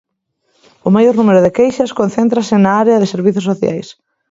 O maior número de queixas concéntrase na área de servizos sociais.